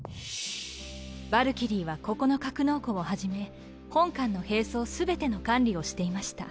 ヴァルキリーはここの格納庫をはじめ本艦の兵装全ての管理をしていました。